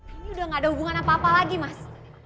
ini udah gak ada hubungan apa apa lagi mas